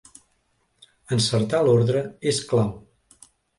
Encertar l'ordre és clau.